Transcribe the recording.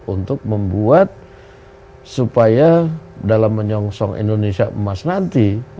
untuk membuat supaya dalam menyongsong indonesia emas nanti